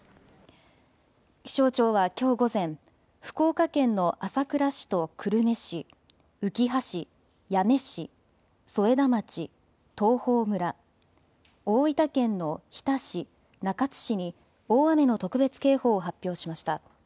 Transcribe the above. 気象庁はきょう午前、福岡県の朝倉市と久留米市、うきは市、八女市、添田町、東峰村、大分県の日田市、中津市に大雨の特別警報を発表しました。